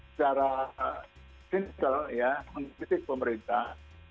secara simple ya mengkritik pemerintah